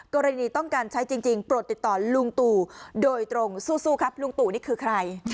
กรณีต้องการใช้จริงโปรดติดต่อลุงตู่โดยตรงสู้ครับลุงตู่นี่คือใคร